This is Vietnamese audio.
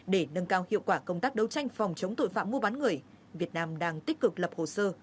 để nâng cao hiệu quả công tác đấu tranh phòng chống tội phạm mua bán người việt nam đang tích cực lập hồ sơ